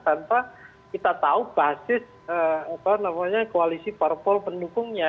tanpa kita tahu basis apa namanya koalisi parpol pendukungnya